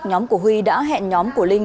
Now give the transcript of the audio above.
nhóm của huy đã hẹn nhóm của linh